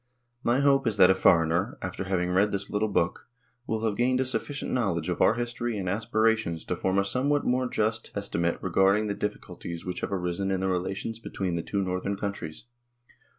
My hope is that a foreigner, after having read this little book, will have gained a sufficient knowledge of our history and aspirations to form a somewhat more just esti mate regarding the difficulties which have arisen in the relations between the two Northern countries.